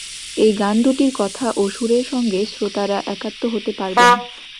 এই গান দুটির কথা ও সুরের সঙ্গে শ্রোতারা একাত্ম হতে পারবেন।